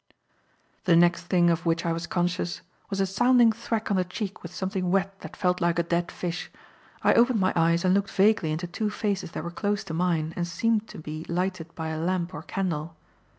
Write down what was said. The next thing of which I was conscious was a sounding thwack on the cheek with something wet that felt like a dead fish. I opened my eyes and looked vaguely into two faces that were close to mine and seemed to be lighted by a lamp or candle.